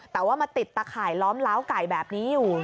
แต่ว่ามาติดตะข่ายล้อมล้าวไก่แบบนี้อยู่